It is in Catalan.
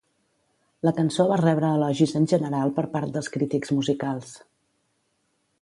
La cançó va rebre elogis en general per part dels crítics musicals.